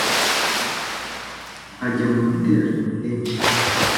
nkajya mu materaniro kenshi